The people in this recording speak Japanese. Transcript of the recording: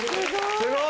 すごい。